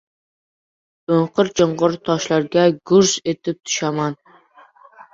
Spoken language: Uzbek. O‘nqir-cho‘nqir toshlarga “gurs” etib tushaman.